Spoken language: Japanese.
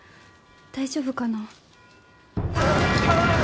大丈夫かな？